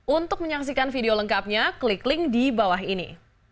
untuk menyaksikan video lengkapnya klik link di bawah ini